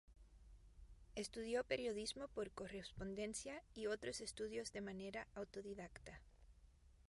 Estudió periodismo por correspondencia y otros estudios de manera autodidacta.